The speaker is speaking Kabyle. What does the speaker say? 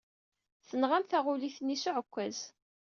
Tenɣam taɣulit-nni s uɛekkaz.